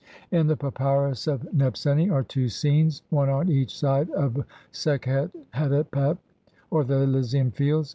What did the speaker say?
In the Papyrus of Nebseni are two scenes, one on each side of "Sekhet hetepet", or the Elysian Fields.